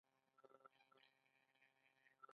سنیان هم هلته اوسیږي.